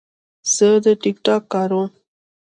زه د ټک ټاک کاروم.